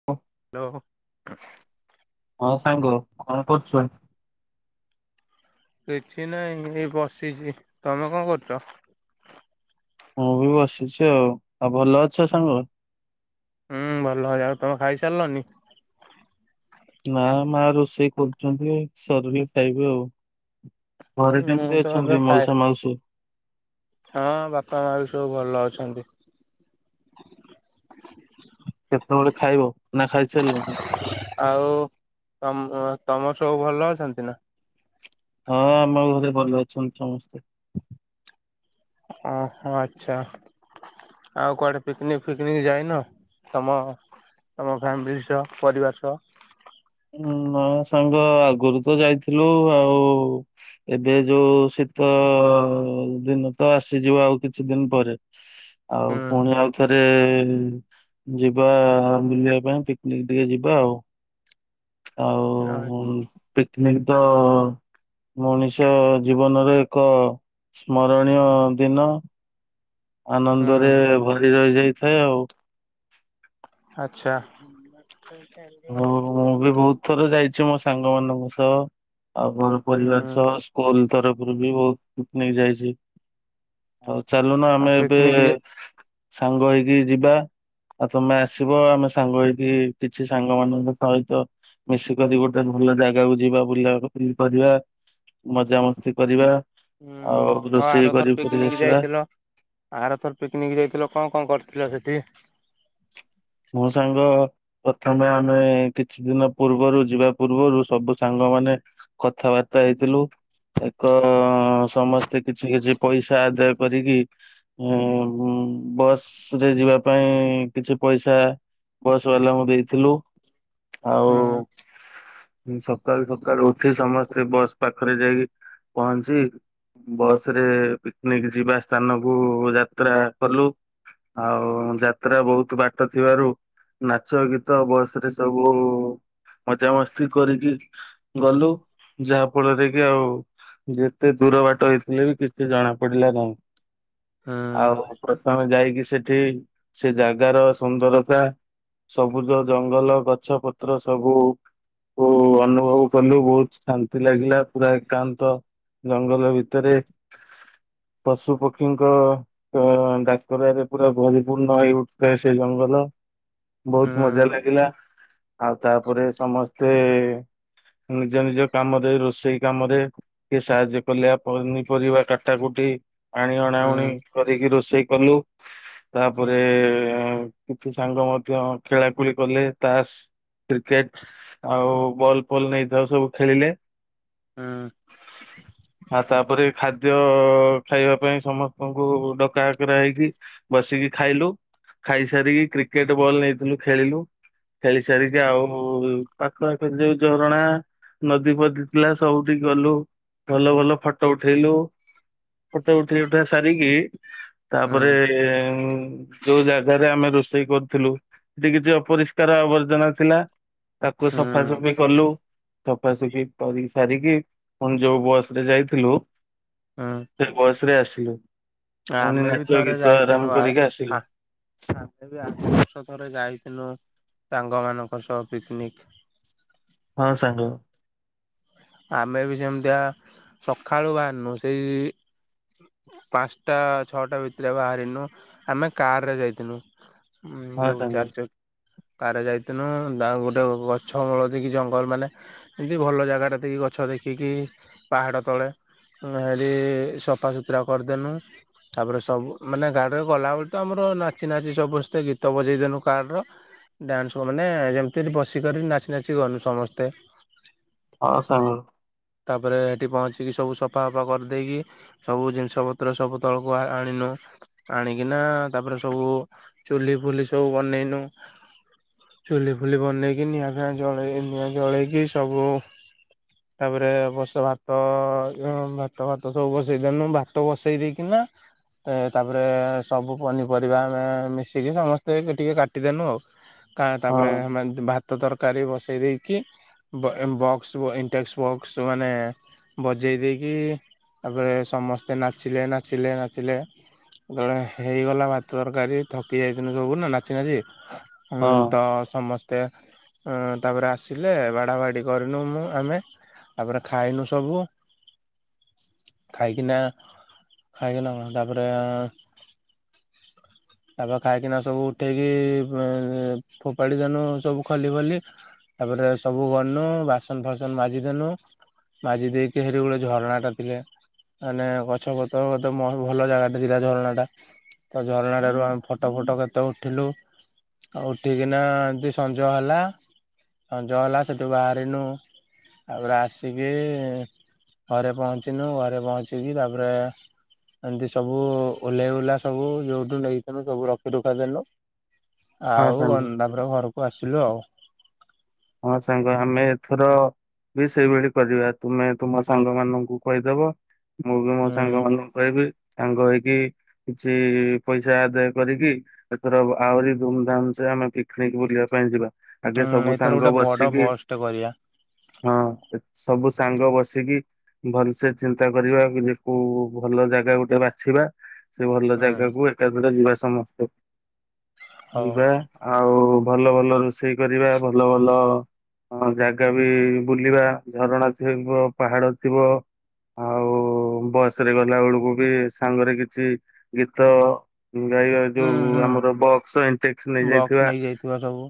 ହଁ। ହ୍ୟାଲୋ ହଁ ସାଙ୍ଗ କ'ଣ କରୁଛ? କିଛି ନାହିଁ ଏଇ ବସିଛି ତମେ କ'ଣ କରୁଛ? ମୁଁ ବି ବସିଛି ଆଉ। ଆଉ ଭଲ ଅଛ ସାଙ୍ଗ? ହୁଁ ଭଲ ହ ଆଉ ତମେ ଖାଇସାରିଲନି? ନା ମାଆ ରୋଷେଇ କରୁଛନ୍ତି ସରିଲେ ଖାଇବୁ ଆଉ। ଘରେ ମୁଁ ତ କେମିତି ଏବେ ଅଛନ୍ତି ଖାଏ ମାଉସା, ମାଉସୀ? ହଁ ବାପା, ମାଆ ବି ସବୁ ଭଲ ଅଛନ୍ତି। କେତେବେଳେ ଖାଇବ ନା ଖାଇସାରିଲନି? ଆଉ ତମ ତମର ସବୁ ଭଲ ଅଛନ୍ତି ନା? ହଁ ଆମ ଘରେ ଭଲ ଅଛନ୍ତି ସମସ୍ତେ। ଓହୋ ଆଚ୍ଛା। ଆଉ କୁଆଡ଼େ ପିକନିକ ଫିକନିକ ଯାଇନ ତମ ତମ ଫ୍ୟାମିଲି ସହ ପରିବାର ସହ। ନାଁ ସାଙ୍ଗ ଆଗରୁ ତ ଯାଇଥିଲୁ ଆଉ। ଏବେ ଯୋଉ ଶୀତ ଦିନ ତ ଆସିଯିବ ଆଉ କିଛି ଦିନ ପରେ। ଆଉ ପୁଣି ହୁଁ ଆଉଥରେ ଯିବା ବୁଲିବା ପାଇଁ ପିକନିକ ଟିକେ ଯିବା ଆଉ। ଆଉ ୟା ପିକନିକ ତ ମଣିଷ ଜୀବନର ଏକ ସ୍ମରଣୀୟ ଦିନ। ଆନନ୍ଦରେ ହୁଁ ଭରି ରହିଯାଇଥାଏ ଆଉ। ଆଚ୍ଛା। ହଉ ମୁଁ ବି ବହୁତ ଥର ଯାଇଛି ମୋ ସାଙ୍ଗ ମାନଙ୍କ ସହ। ଆଉ ମୋର ପରିବାର ହୁଁ ସହ ସ୍କୁଲ ତରଫରୁ ବି ବହୁତ ପିକନିକ ଯାଇଛି। ହଉ ଚାଲୁନ ଆଉ ଆମେ ଏବେ ପିକନିକ ଯା ସାଙ୍ଗ ହେଇକି ଯିବା ଆଉ ତମେ ଆସିବ ଆମେ ସାଙ୍ଗ ହେଇକି କିଛି ସାଙ୍ଗ ମାନଙ୍କ ସହିତ ମିଶିକରି ଗୋଟେ ଭଲ ଜାଗାକୁ ଯିବା ବୁଲା ବୁଲି କରିବା। ମଜାମସ୍ତି କରିବା। ହୁଁ ଆଉ ରୋଷେଇ କରି ଆରଥର ଫେରିକି ପିକନିକ ଆସିବା ଯାଇଥିଲ। ଆର ଥର ପିକନିକ ଯାଇଥିଲ କ'ଣ କ'ଣ କରିଥିଲ ସେଠି? ମୋ ସାଙ୍ଗ ପ୍ରଥମେ ଆମେ କିଛି ଦିନ ପୂର୍ବରୁ ଯିବା ପୂର୍ବରୁ ସବୁ ସାଙ୍ଗ ମାନ କଥାବାର୍ତ୍ତା ହେଇଥିଲୁ। ଏକ ସମସ୍ତେ କିଛି କିଛି ପଇସା ଆଦାୟ କରିକି ବସ ରେ ଯିବା ପାଇଁ କିଛି ପଇସା ବସ୍ ବାଲାଙ୍କୁ ଦେଇଥିଲୁ, ଆଉ ହୁଁ ସକାଳୁ ସକାଳୁ ଉଠି ସମସ୍ତେ ବସ୍ ପାଖରେ ଯାଇକି ପହଞ୍ଚି ବସ୍ ରେ ପିକନିକ ଯିବା ସ୍ଥାନକୁ ଯାତ୍ରା କଲୁ। ଆଉ ଯାତ୍ରା ବହୁତ ବାଟ ଥିବାରୁ ନାଚ ଗୀତ ବସ୍ ରେ ସବୁ ମଜାମସ୍ତି କରିକି ଗଲୁ, ଯାହା ଫଳରେ କି ଆଉ ଯେତେ ଦୂର ବାଟ ହେଇଥିଲେ ବି କିଛି ଜଣା ପଡିଲା ନାହିଁ। ହୁଁ ଆଉ ପ୍ରଥମେ ଯାଇକି ସେଠି ସେ ଜାଗାର ସୁନ୍ଦରତା ସବୁଜ ଜଙ୍ଗଲ ଗଛ ପତ୍ର ସବୁ ଅନୁଭବ କଲୁ ବହୁତ ଶାନ୍ତି ଲାଗିଲା ପୁରା ଏକାନ୍ତ ଜଙ୍ଗଲ ଭିତରେ ପଶୁ ପକ୍ଷୀଙ୍କ ଡାକରାରେ ପୁରା ପରିପୂର୍ଣ୍ଣ ହେଇଉଠୁଥାଏ। ସେ ଜଙ୍ଗଲ ବହୁତ ମଜା ହୁଁ ଲାଗିଲା। ଆଉ ତାପରେ ସମସ୍ତେ ନିଜ ନିଜ କାମରେ ରୋଷେଇ କାମରେ ଟିକେ ସାହାଯ୍ୟ କଲେ ପନିପରିବା କାଟା କୁଟି ପାଣି ହୁଁ ଅଣାଉଣି କରିକି ରୋଷେଇ କଲୁ। ହୁଁ ତାପରେ କିଛି ସାଙ୍ଗ ମଧ୍ୟ ଖେଳାକୁଳି କଲେ ତାସ୍। କ୍ରିକେଟ ଆଉ ବଲ ଫଲ ନେଇଥାଉ ସବୁ ଖେଳିଲେ। ହୁଁ। [unintelligible] ଆଉ ତାପରେ ଖାଦ୍ୟ ଖାଇବା ପାଇଁ ସମସ୍ତଙ୍କୁ ଡକାହକରା ହେଇକି ବସିକି ଖାଇଲୁ। ଖାଇସାରିକି କ୍ରିକେଟ ବଲ୍ ନେଇଥିଲୁ ଖେଳିଲୁ। ଖେଳି ସାରିକି ଆଉ ପାଖ ଆଖରେ ଯୋଉ ଝରଣା ନଦୀ ଫଦୀ ଥିଲା ସବୁଠିକି ଗଲୁ ଭଲ ଭଲ ଫଟୋ ଉଠେଇଲୁ। ଫଟ ଉଠେଇ ଉଠେଇ ସାରିକି, ତାପରେ ହୁଁ ଯୋଉ ଜା ଯାଗାରେ ଆମେ ରୋଷେଇ କରୁଥିଲୁ ସେଠି କିଛି ଅପରିଷ୍କାର ଆବର୍ଜନା ଥିଲା ତାକୁ ହୁଁ ସଫାସଫି କଲୁ। ସଫାସଫି କରି ସାରିକି ପୁଣି ଯୋଉ ବସ ରେ ଯାଇଥିଲୁ ହଁ। ସେ ବସ୍ ରେ ଆସିଲୁ। ପୁଣି ଆମେ ବି ନାଚ ଥରେ ଗୀତ ଯାଇଥିଲୁ ଆରାମ ଆ କରିକି ଆ ଆସିଲୁ। ଆମେ ବି ଆର ବର୍ଷ ଥରେ ଯାଇଥିଲୁ ସାଙ୍ଗ ମାନଙ୍କ ସହ ପିକ୍ନିକ୍। ହଁ ସାଙ୍ଗ। ଆମେ ବି ସେମିତିଆ ସକାଳୁ ବାହାରିନୁ ସେଇ ପାଞ୍ଚଟା ଛଅଟା ଭିତରେ ବାହାରିନୁ ଆମେ କାରରେ ଯାଇଥିନୁ। ଉଁ ହଁ ଯୋଉ ସାଙ୍ଗ ଚାରି ଚ କାରେ ଯାଇଥିନୁ। ଗୋଟେ ଗଛ ମୂଳ ଦେଇକି ଜଙ୍ଗଲ ମାନେ ଏମତି ଭଲ ଜାଗା ଦେଇକି ଗଛ ଦେଖିକି ପାହାଡ଼ ତଳେ [unintelligible] ସଫା ସୁୁତୁରା କରିଦେନୁ। ତାପରେ ସବୁ ମାନେ ଗାଡ଼ି ରେ ଗଲାବେଳେ ତ ଆମର ନାଚି ନାଚି ସମସ୍ତେ ଗୀତ ବଜେଇଦେନୁ କାରର। ଡ୍ୟାନ୍ସ ମାନେ ଯେମିତି ବସିକରି ନାଚି ନାଚି ଗନୁ ସମସ୍ତେ। ହଁ ସାଙ୍ଗ। ତାପରେ ହେଠି ପହଞ୍ଚିକି ସବୁ ସଫା ସଫା କରିଦେଇକି ସବୁ ଜିନିଷ ପତ୍ର ସବୁ ତଳକୁ ଆଣିନୁ। ଆଣିକିନା ତାପରେ ସବୁ ଚୁଲି ଫୁଲି ସବୁ ବନେଇନୁ। ଚୁଲିଫୁଲି ବନେଇକି ନିଆଁ ଫିଆଁ ଜଳେଇ ନିଆଁ ଜଳେଇକି ସବୁ ତାପରେ ବସ ଭାତ ଭାତ ଭାତ ସବୁ ବସେଇଦେନୁ। ଭାତ ବସେଇ ଦେଇକିନା ତାପରେ ସବୁ ପନିପରିବା ଆମେ ମିଶିକି ସମସ୍ତେ ଟିକେ କାଟିଦେନୁ ଆଉ। [inaudible] କା ତାପରେ ଆମେ ଭାତ ତରକାରୀ ବସେଇ ଦେଇକି ବ ଇଣ୍ଟେକ୍ସ ବକ୍ସ ମାନେ ବଜେଇ ଦେଇକି ତାପରେ ସମସ୍ତେ ନାଚିଲେ ନାଚିଲେ ନାଚିଲେ [unintelligible] ହେଇଗଲା ଭାତ ତରକାରୀ ଥକି ଯାଇଥିଲୁ ସବୁ ନା ନାଚି ନାଚି। ହଁ ତ ସମସ୍ତେ ତାପରେ ଆସିଲେ ବାଢା ବାଢି କରି [unintelligible] ଆମେ ତାପରେ ଖାଇନୁ ସବୁ ଖାଇକିନା ଖାଇଗଲା ମ ତାପରେ [inaudible] ତାପରେ ଖାଇକିନା ସବୁ ଉଠେଇକି ଅଁ ଫୋପାଡ଼ି ଦେଲୁ ସବୁ ଖଲି ଫଲି ତାପରେ ସବୁ ଗଲୁ ବାସନ୍ ଫାସନ୍ ମାଜିଦେଲୁ। ମାଜି ଦେଇକି ହେଇଠି ଗୋଟେ ଝରଣା ଟା ଟିକେ ମାନେ ଗଛ ପତ୍ର ବେଧେ ମ ଭଲ ଜାଗାଟା ଥିଲା ଝରଣା ଟା। ତ ଝରଣା ରୁ ଆମେ ଫଟ ଫଟ କେତେ ଉଠିଲୁ। ତ ଉଠିକିନା ଦି ସଞ୍ଜ ହେଲା। ସଞ୍ଜ ହେଲା ସେଠୁ ବାହାରିଲୁ ତାପରେ ଆସିକି ଘରେ ପହଞ୍ଚିନୁ। ଘରେ ପହଞ୍ଚିକି ତାପରେ ଏମିତି ସବୁ ଓହ୍ଲେଇଉଲା ସବୁ ଯୋଉଠୁ ନେଇଥିଲୁ ସବୁ ରଖି ରୁଖା ଦେଲୁ। ହଁ ଆଉ ସାଙ୍ଗ। କଣ ତାପରେ ଘରକୁ ଆସିଲୁ ଆଉ। ହଁ ସାଙ୍ଗ ଆମେ ଏଥର ବି ସେଇଭଳି କରିବା। ତୁମେ ତୁମ ସାଙ୍ଗ ମାନଙ୍କୁ କହିଦବ। ମୁଁ ବି ମୋ ହୁଁ ସାଙ୍ଗ ମାନଙ୍କୁ କହିବି। ସାଙ୍ଗ ହେଇକି କିଛି ପଇସା ଆଦାୟ କରିକି ଏଥର ଆହୁରି ଧୁମଧାମ୍ ସେ ଆମେ ପିକନିକ ବୁଲିବା ପାଇଁ ଯିବା। ହୁଁ ଆଗେ ସବୁ ଏଥର ଗୋଟେ ସାଙ୍ଗ ବଡ ବସିକି ବସ୍ ଟେ କରିବା ହଁ, ସବୁ ସାଙ୍ଗ ବସିକି ଭଲସେ ଚିନ୍ତା କରିବା କି ଯେ କୋଉ ଭଲ ଜାଗା ଗୋଟେ ବାଛିବା। ସେ ଭଲ ହୁଁ ଜାଗାକୁ ଏକାଥରେ ଯିବା ସମସ୍ତେ। ହଉ ଯିବା। ଆଉ ଭଲ ଭଲ ରୋଷେଇ କରିବା। ଭଲ ଭଲ ହଁ, ଜାଗା ବି ବୁଲିବା ଝରଣା ଥିବ ପାହାଡ ଥିବ। ଆଉ ବସ୍ ରେ ଗଲା ବେଳ କୁ ବି ସାଙ୍ଗରେ କିଛି ଗୀତ ଗାଇ ବା ହୁଁ ଯୋଉ ହୁଁ ଆମର ବକ୍ସ ଇଣ୍ଟେକ୍ସ ବକ୍ସ ନେଇଯାଇଥିବା। ନେଇଯାଇଥିବା ସବୁ।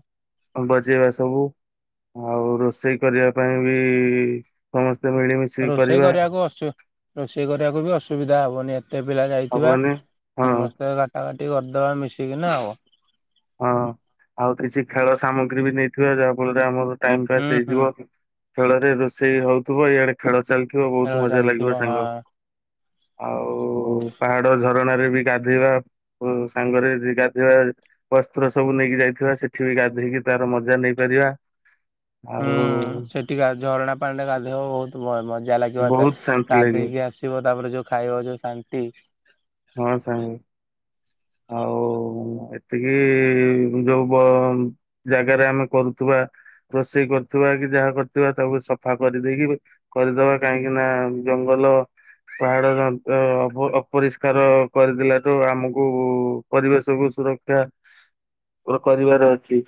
ହଁ ବଟ୍ ଯିବା ସବୁ ଆଉ ରୋଷେଇ କରିବା ପାଇଁ ବି ସମସ୍ତେ ମିଳିମିଶ୍ ରୋଷେଇ କରିବାକୁ ଅସୁ ରୋଷେଇ କରିବାକୁ ବି ଅସୁବିଧା ହବନି ଏ ତେ ପିଲା ଯାଇଥିବା ହବନି ହଁ ସମସ୍ତେ ବାଟା ବାଟି କରିଦବା ମିଶିକିନା ଆଉ। ହଁ ଆଉ କିଛି ଖେଳ ସାମଗ୍ରୀ ବି ନେଇଥିବା ଯାହାଫଳରେ ଆମର ଟାଇମ ପାସ୍ ହୁଁ ହୁଁ ହେଇଯିବ। ଖେଳରେ ରୋଷେଇ ହଉଥିବ ଏଆଡେ ଖେଳ ଚାଲିଥିବା ଖେଳ ବହୁତ ମଜା ଚାଲିଥିବ ଲାଗିବ ସାଙ୍ଗ। ହଁ। ଆଉ ପାହାଡ ଝରଣା ରେ ବି ଗାଧୋଇବା। ଓ ସାଙ୍ଗରେ ଦି ଗାଧୋଇବା ଆଉ। ବସ୍ତ୍ର ସବୁ ନେଇକି ଯାଇଥିବା। ସେଠି ବି ଗାଧେଇକି ତାର ମଜା ନେଇପାରିବା। ଆଉ ଟିକେ ଆ ଝରଣା ପାଣିରେ ଗାଧେଇବ ବହୁତ ମ ମଜା ଲାଗିବ ଏତେ ବହୁତ ଶାନ୍ତି ଲାଗେ ଗାଧେଇକି ଆସିବ ତାପରେ ଯୋଉ ଖାଇବା ଯୋଉ ଶାନ୍ତି। ହଁ ସାଙ୍ଗ। ଆଉ ଏତିକି ଯୋଉ ବ ଜାଗାରେ ଆମେ କରୁଥିବା ରୋଷେଇ କରୁଥିବା କି ଯାହା କରୁଥିବା ତାକୁ ସଫା କରିଦେଇକି କରିଦବା କାହିଁକି ନା ଜଙ୍ଗଲ ପାହାଡର ଅ ଅଭେ ଅପରିଷ୍କାର କରିଦେଲାକୁ ଆମକୁ କୁ ପରିବେଶ କୁ ସୁରକ୍ଷା କ କରିବାର ଅଛି।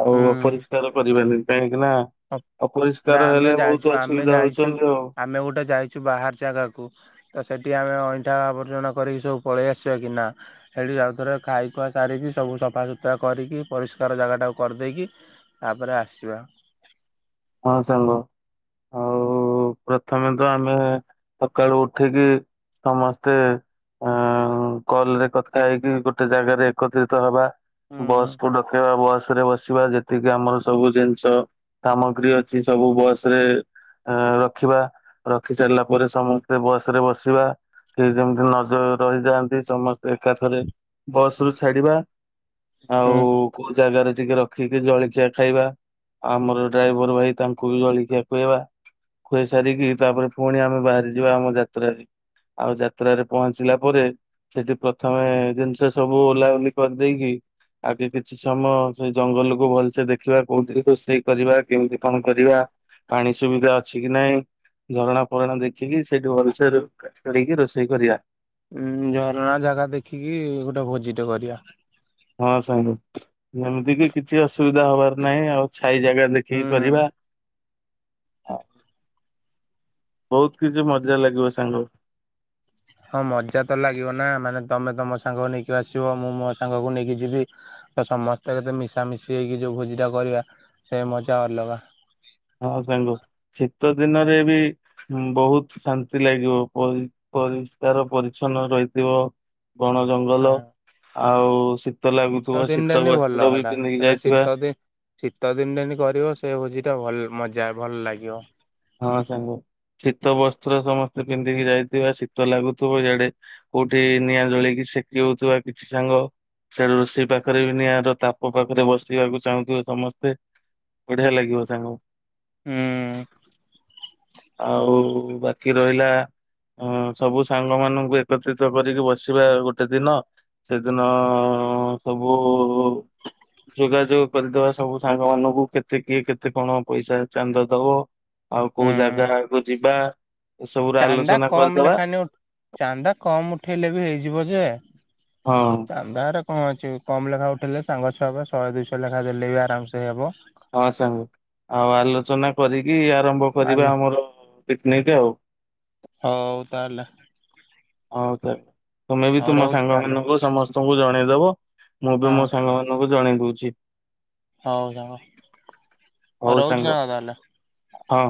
ଆଉ ହୁଁ। ଅପରିଷ୍କାର କରିବାନି କାହିଁକି ନା ଅବ୍, ଏଇଟା ଅପରିଷ୍କାର ଆମେ ହେଲେ ବହୁତ ଯାଇଛୁ ଆମେ ଅସୁବିଧା ଯାଇଛୁ ହଉଛନ୍ତି ଆଉ ଆମେ ଗୋଟେ ଯାଇଛୁ ବାହାର ଜାଗାକୁ ତ ସେଇଠି ଆମେ ଅଇଁଠା ଆବର୍ଜନା କରିକି ସବୁ ପଳେଇ ଆସିବା କି ନା। ହେଇଠି ଆଉଥରେ ଖାଇଖୁଆ ସାରିକି ସବୁ ସଫାସୁତୁରା କରିକି ପରିଷ୍କାର ଜାଗାଟାକୁ କରିଦେଇକି ତାପରେ ଆସିବା। ହଁ ସାଙ୍ଗ ଆଉ କୁ ପ୍ରଥମେ ତ ଆମେ ସକାଳୁ ଉଠିକି ସମସ୍ତେ ଅ କଲରେ କଥା ହେଇକି ଗୋଟେ ଜାଗାରେ ଏକତ୍ରିତ ହବା। ବସ୍ ହୁଁ କୁ ଡକେଇବା ବସ ରେ ବସିବା ଯେତିକି ଆମର ସବୁ ଜିନିଷ ସାମ ଗ୍ରୀ ଅଛି ସବୁ ବସ ରେ ଅ ରଖିବା ରଖି ସାରିଲା ପରେ ସମସ୍ତେ ବସ ରେ ବସିବା। କେ ଯେମତି ନଜ ରହିଯାଆନ୍ତି ସମସ୍ତେ ଏକାଥରେ ବସ୍ ରୁ ଛାଡିବା। ଆଉ କୋଉ ଜାଗାରେ ଟିକେ ରଖିକି ଜଳଖିଆ ଖାଇବା ଆମର ଡ୍ରାଇଭର ଭାଇ ତାଙ୍କୁ ବି ଜଳିଖିଆ ଖୋଇବା। ଖୁଏଇ ସାରିକି ତାପରେ ପୁଣି ଆମେ ବାହାରି ଯିବା ଆମ ଯାତ୍ରାରେ। ଆଉ ଯାତ୍ରାରେ ପହଞ୍ଚିଲା ପରେ ସେଠି ପ୍ରଥମେ ଜିନିଷ ସବୁ ଓଲ୍ହା ଓଲ୍ଲି କରି ଦେଇକି ଆଗେ କିଛି ସମୟ ସେଇ ଜଙ୍ଗଲକୁୁ ଭଲସେ ଦେଖିବା କୋଉଠି ରୋଷେଇ କରିବା କେମିତି କଣ କରିବା ପାଣି ସୁବିଧା ଅଛି କି ନାହିଁ। ଝରଣା ଫରଣା ଦେଖିକି ସେଇଠି ଭଲସେ [unintelligible] ରୋଷେଇ କରିବା। ଉଁ ଝରଣା ଜାଗା ଦେଖିକି ଗୋଟେ ଭୋଜିଟେ କରିବା। ହଁ ସାଙ୍ଗ ଯେମିତି କିି କିଛି ଅସୁବିଧା ହବାର ନାହିଁ ଆଉ। ଛାଇ ଜାଗା ହୁଁ ଦେଖିକି କରିବା। ବହୁତ କିଛି ମଜା ଲାଗିବ ସାଙ୍ଗ। ହଁ ମଜା ତ ଲାଗିବ ନା ମାନେ ତମେ ତମ ସାଙ୍ଗ ନେଇକି ଆସିବ ମୁଁ ମୋ ସାଙ୍ଗକୁ ନେଇକି ଯିବି। ତ ସମସ୍ତେ ଯଦି ମିଶା ମିଶି ହେଇକି ଯୋଉ ଭୋଜି ଟା କରିବା ସେ ମଜା ଅଲଗା। ହଁ ସାଙ୍ଗ ଶୀତ ଦିନରେ ବି ବହୁତ ଶାନ୍ତି ଲାଗିବ ପରି ପରିଷ୍କାର ପରିଚ୍ଛନ୍ନ ରହିଥିବ। ବଣ ହଁ ଜଙ୍ଗଲ। ଆଉ ଶୀତ ଲାଗୁଥିବ ଶୀତ ଦିନଟାନି ଭଲ ବସ୍ତ୍ର ବି ହେଟା ପିନ୍ଧିକି ସେଟା ଯାଇଥିବା। ଶୀତ ଦିନ ଶୀତ ଦିନରେନ କରିବ ସେ ଭୋଜି ଟା ଭଲ ମଜା ଭଲ ଲାଗିବ। ହଁ ସାଙ୍ଗ ଶୀତ ବସ୍ତ୍ର ସମସ୍ତେ ପିନ୍ଧିକି ଯାଇଥିବା ଶୀତ ଲାଗୁଥିବ ୟାଡେ କୋଉଠି ନିଆଁ ଜଳେଇିକି ସେକି ହଉଥିବା କିଛି ସାଙ୍ଗ। ସେ ରୋଷେଇ ପାଖରେ ବି ନିଆଁର ତାପ ପାଖରେ ବସିବାକୁ ଚାହୁଁଥିବେ ସମସ୍ତେ। ବଢିଆ ଲାଗିବ ସାଙ୍ଗ। ହୁଁ। ଆଉ ବା କି ରହିଲା ଅ ସବୁ ସାଙ୍ଗ ମାନଙ୍କୁ ଏକତ୍ରିତ କରିକି ବସିବା ଗୋଟେ ଦିନ। ସେଦିନ ସବୁ ଯୋଗାଯୋଗ କରିଦବା ସବୁ ସାଙ୍ଗ ମାନଙ୍କୁ କେତେ କିଏ କେତେ କଣ ପଇସା ଚାନ୍ଦ ଦବ। ଆଉ କୋଉ ହୁଁ ଜାଗାକୁ ଯିବା ଏସବୁ ର ଚାନ୍ଦା ଆଲୋଚନା କମ କରିଦବା। ଲେଖାନି ଚାନ୍ଦା କମ ଉଠେଇଲେ ବି ହେଇଯିବ ଯେ। ହଁ। ଚାନ୍ଦାରେ କଣ ଅଛି କମ ଲେଖା ଉଠେଇଲେ ସାଙ୍ଗ ଛୁଆ ହେବ ଶହେ ଦୁଇଶହ ଲେଖା ଦେଲେ ବି ଆରାମସେ ସେ ହବ। ହଁ ସାଙ୍ଗ ଆଉ ଆଲୋଚନା କରିକି ଆରମ୍ଭ କରିବା ଆଲା ଆମର ପିକନିକ ଆଉ। ହଉ ତାହେଲେ। ହଉ ତାହେଲେ ତୁମେ ବି ହଉ ତୁମ ରହୁଛି ସାଙ୍ଗ ତାହେଲେ ମାନଙ୍କୁ ସମସ୍ତଙ୍କୁ ଜଣେଇଦବ ମୁଁ ହଁ ବି ମୋ ସାଙ୍ଗ ମା ନଙ୍କୁ ଜଣେଇ ଦଉଚି। ହଉ ସାଙ୍ଗ ଆ ରହୁଚି ସାଙ୍ଗ ତାହେଲେ। ହଁ।